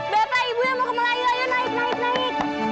bapak ibu yang mau ke melayu ayo naik naik naik